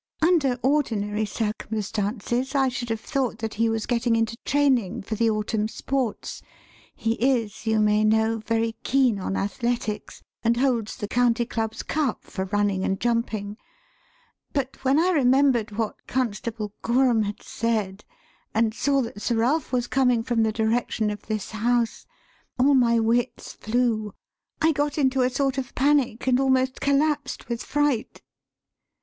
Under ordinary circumstances I should have thought that he was getting into training for the autumn sports (he is, you may know, very keen on athletics, and holds the County Club's cup for running and jumping), but when I remembered what Constable Gorham had said, and saw that Sir Ralph was coming from the direction of this house, all my wits flew; I got into a sort of panic and almost collapsed with fright."